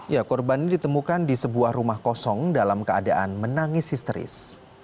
ya korban ini ditemukan di sebuah rumah kosong dalam keadaan menangis histeris